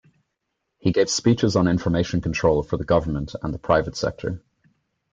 He gave speeches on information control for the government and the private sector.